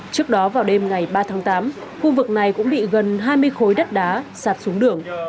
trước đó vào đêm ngày ba tháng tám khu vực này cũng bị gần hai mươi khối đất đá sạt xuống đường